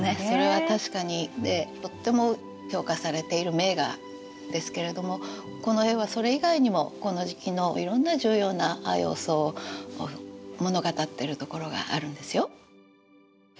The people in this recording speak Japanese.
それは確かにでとっても評価されている名画ですけれどもこの絵はそれ以外にもこの時期のいろんな重要な要素を物語ってるところがあるんですよ。